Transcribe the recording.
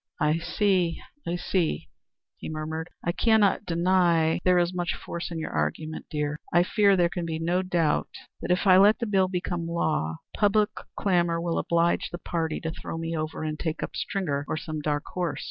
"I see I see," he murmured. "I cannot deny there is much force in your argument, dear. I fear there can be no doubt that if I let the bill become law, public clamor will oblige the party to throw me over and take up Stringer or some dark horse.